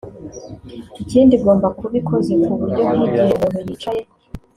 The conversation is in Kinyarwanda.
Ikindi igomba kuba ikoze ku buryo nk’igihe umuntu yicaye